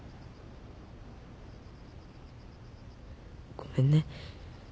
ごめんね。